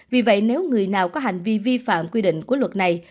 vì vậy nếu người nào có hành vi vi phạm quy định của luật này